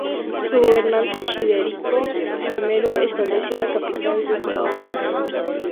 Su gobernante Childerico I estableció la capital en Tournai.